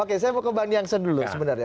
oke saya mau ke bang jansen dulu sebenarnya